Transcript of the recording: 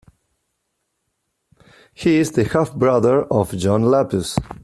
He is the half-brother of John Lapus.